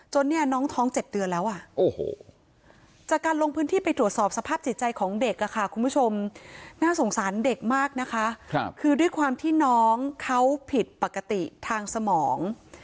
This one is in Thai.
เนี่ยน้องท้อง๗เดือนแล้วอ่ะโอ้โหจากการลงพื้นที่ไปตรวจสอบสภาพจิตใจของเด็กค่ะคุณผู้ชมน่าสงสารเด็กมากนะคะคือด้วยความที่น้องเขาผิดปกติทางสมอง